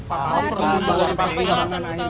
pak pak apa perusahaan bumn